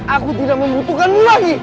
aku tidak membutuhkanmu lagi